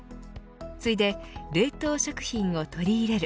次いで、冷凍食品を取り入れる。